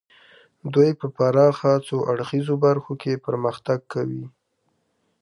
دوی په پراخه څو اړخیزو برخو کې پرمختګ کوي